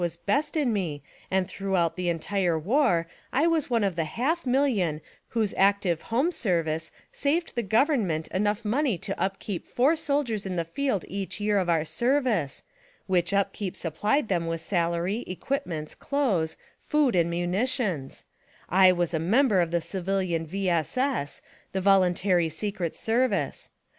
as best in me and throughout the entire war I was one of the HALF MILLION whose active HOME service saved the GOVERNMENT enough money to upkeep FOUR SOLDIERS in the field each year of our service, which upkeep suppHed them with salary, equipments, clothes, food and munitions ;— I was a member of the civilian V. S. S., the VOLUNTARY SECRET SERVICE!